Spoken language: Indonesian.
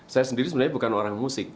saya sendiri sebenarnya bukan orang musik